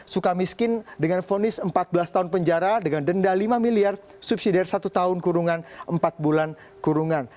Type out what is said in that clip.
suka miskin dengan fonis empat belas tahun penjara dengan denda lima miliar subsidi dari satu tahun kurungan empat bulan kurungan